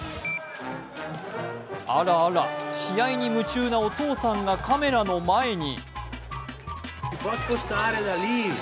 あらあら、試合に夢中なお父さんがカメラの前に。